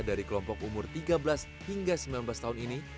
dari kelompok umur tiga belas hingga sembilan belas tahun ini